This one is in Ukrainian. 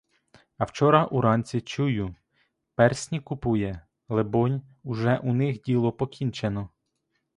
А вчора уранці чую — персні купує, либонь, уже у них діло покінчено.